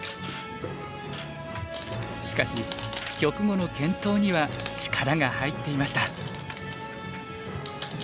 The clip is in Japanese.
しかし局後の検討には力が入っていました。